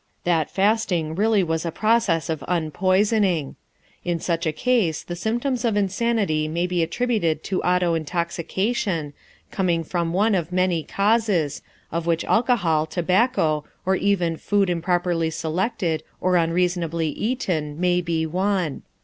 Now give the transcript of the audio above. That fasting really was a process of unpoisoning. In such a case the symptoms of insanity may be attributed to auto intoxication, coming from any one of many causes, of which alcohol, tobacco, or even food improperly selected or unreasonably eaten may be one.